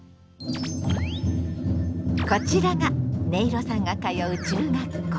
こちらがねいろさんが通う中学校。